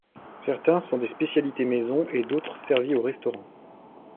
Certains sont des spécialités maison et d'autres servies au restaurant.